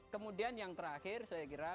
kemudian yang terakhir saya kira